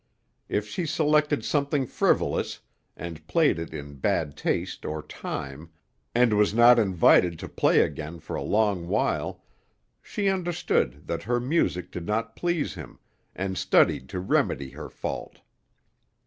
If she selected something frivolous, and played it in bad taste or time, and was not invited to play again for a long while, she understood that her music did not please him, and studied to remedy her fault.